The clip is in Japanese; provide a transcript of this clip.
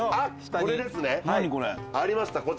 これですねありました。